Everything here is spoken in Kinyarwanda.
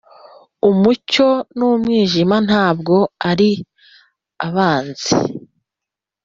umucyo n'umwijima ntabwo ari abanzi